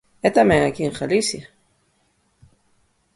E tamén aquí en Galicia.